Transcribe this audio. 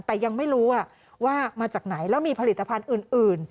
แต่ยังไม่รู้ว่ามาจากไหนแล้วมีผลิตภัณฑ์อื่น